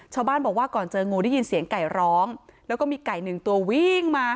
ชาวบ้านบอกว่าก่อนเจองูได้ยินเสียงไก่ร้องแล้วก็มีไก่หนึ่งตัววิ่งมา